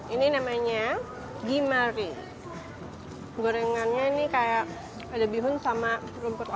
ini namanya gimari gorengannya ini kayak ada bihun sama rumput laut